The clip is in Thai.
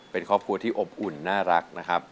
เป็นครอบครัวที่อบอุ่นน่ารักนะครับ